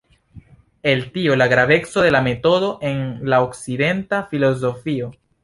El tio la graveco de la metodo en la okcidenta filozofio.